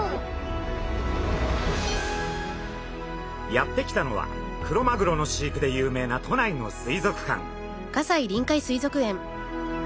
やって来たのはクロマグロの飼育で有名な都内の水族館。